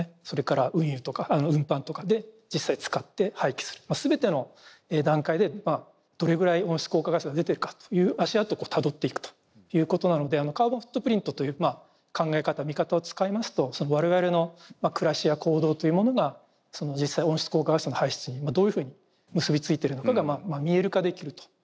それから運輸とか運搬とかで実際使って廃棄するまあ全ての段階でまあどれぐらい温室効果ガスが出てるかという足あとをこうたどっていくということなのでカーボンフットプリントという考え方見方を使いますと我々の暮らしや行動というものが実際温室効果ガスの排出にどういうふうに結び付いてるのかが見える化できると。